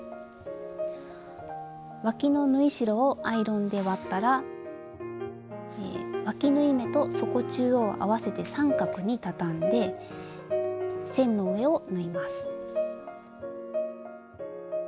わきの縫い代をアイロンで割ったらわき縫い目と底中央を合わせて三角に畳んで線の上を縫います。